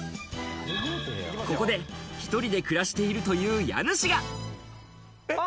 ここで１人で暮らしているという家主が。